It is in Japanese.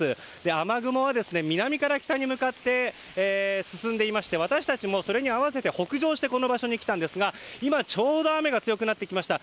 雨雲は南から北に向かって進んでいまして私たちもそれに合わせて北上してここに来たんですが今、ちょうど雨が強くなってきました。